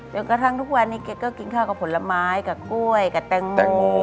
จนกระทั่งทุกวันนี้แกก็กินข้าวกับผลไม้กับกล้วยกับแตงโม